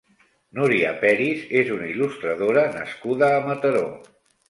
Núria Peris és una il·lustradora nascuda a Mataró.